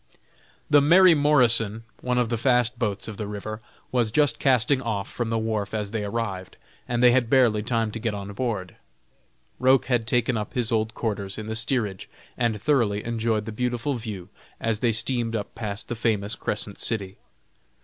The "Mary Morrison," one of the fast boats of the river, was just casting off from the wharf as they arrived, and they had barely time to get on board. Roch had taken up his old quarters in the steerage, and thoroughly enjoyed the beautiful view as they steamed up past the famous Crescent City.